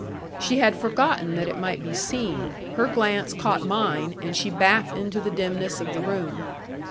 She had forgotten that it might be seen. Her glance caught mine, and she backed into the dimness of the room.